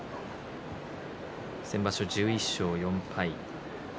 先場所１１勝４敗。